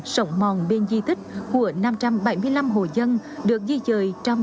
sổng mòn bên di thích của năm trăm bảy mươi năm hồ dân được di trời